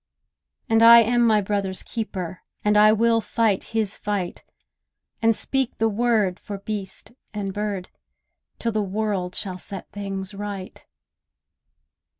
And I am my brother's keeper, And I will fight his fight, And speak the word for beast and bird, Till the world shall set things right.